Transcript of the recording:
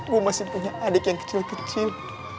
gue masih punya adik yang kecil kecil